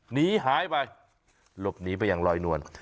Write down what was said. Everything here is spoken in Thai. หนีหายไปหลบหนีไปอย่างลอยนวล